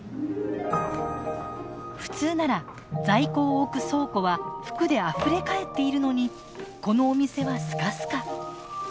普通なら在庫を置く倉庫は服であふれかえっているのにこのお店はスカスカ。